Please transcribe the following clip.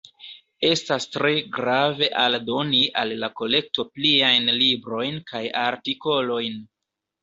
Estas tre grave aldoni al la kolekto pliajn librojn kaj artikolojn.